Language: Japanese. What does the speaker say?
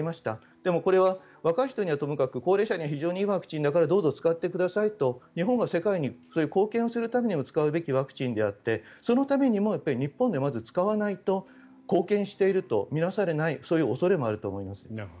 でもこれは若い人にはともかく高齢者にはすごくいいワクチンだからどうぞ使ってくださいと日本が世界にそういう貢献をするために使うワクチンであってそのためには日本でまず使わないと貢献していると見なされない恐れもあると思います。